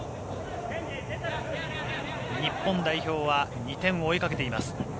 日本代表は２点を追いかけています。